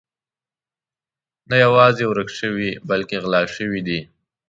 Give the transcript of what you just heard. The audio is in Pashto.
نه یوازې ورک شوي بلکې غلا شوي دي.